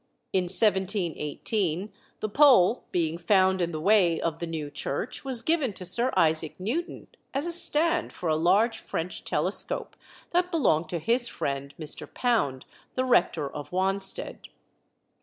In 1718 the pole, being found in the way of the new church, was given to Sir Isaac Newton as a stand for a large French telescope that belonged to his friend Mr. Pound, the rector of Wanstead.